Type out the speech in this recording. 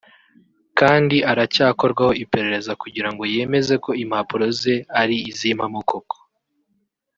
kandi aracyakorwaho iperereza kugira ngo yemeze ko impapuro ze ari iz’impamo koko